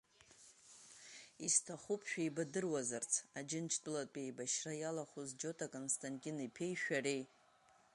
Исҭахуп шәеибадыруазарц, Аџьынџьтәылатәи еибашьра иалахәыз Џьота Константин-иԥеи шәареи.